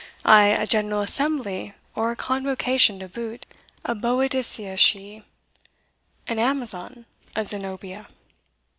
ay, a general assembly or convocation to boot a Boadicea she an Amazon, a Zenobia."